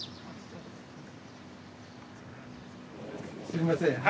すみません